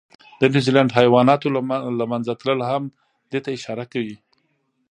د نیوزیلند حیواناتو له منځه تلل هم دې ته اشاره کوي.